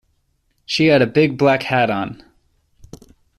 She had a big black hat on!